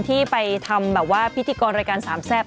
ที่ไปทำแบบว่าพิธีกรรายการสามแซ่บ